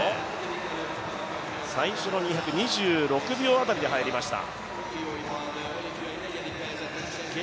最初の２００、２６秒辺りで入りました。